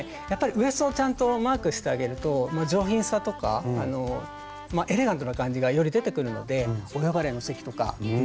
やっぱりウエストをちゃんとマークしてあげると上品さとかエレガントな感じがより出てくるのでお呼ばれの席とか